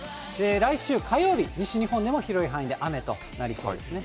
来週火曜日、西日本でも広い範囲で雨となりそうですね。